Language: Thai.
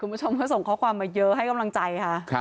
คุณผู้ชมก็ส่งข้อความมาเยอะให้กำลังใจค่ะ